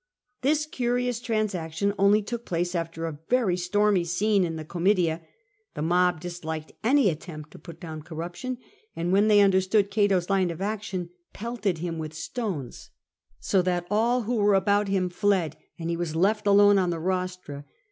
This curious transaction only took place after a very stormy scene in the Comitia : the mob disliked any attempt to put down corruption, and when they under stood Cato's line of action pelted him with stones, so that all who were about him fled, and he was left alone on the rostra.